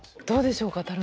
どうでしょうか？